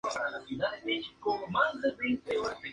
Y tienen que ayunar en los días que queda en la mezquita.